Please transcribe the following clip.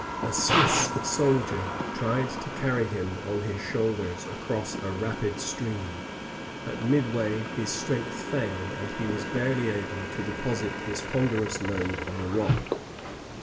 A Swiss soldier tried to carry him on his shoulders across a rapid stream ; but midway his strength failed, and he was barely able to deposit his ponderous load on a rock.